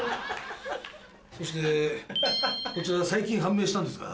そしてこちら最近判明したんですが。